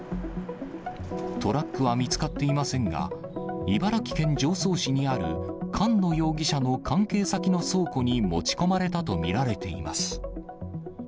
トラックは見つかっていませんが、茨城県常総市にある、菅野容疑者の関係先の倉庫に持ち込まれたと見られています。